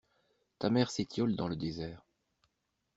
Ta mère s'étiole dans le désert.